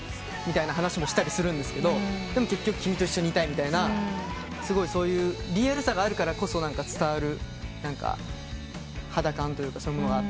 そういう話もしたりするんですがでも結局君と一緒にいたいみたいなそういうリアルさがあるからこそ伝わる肌感というかそういうものがあって。